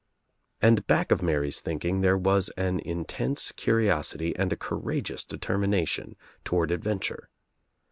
And back of Mary's thinking there was an intense curiosity and a courageous determination toward ad venture.